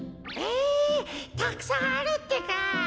えたくさんあるってか。